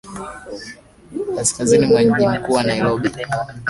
kaskazini mwa mji mkuu wa Nairobi